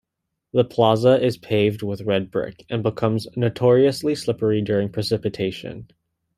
The plaza is paved with red brick, and becomes notoriously slippery during precipitation.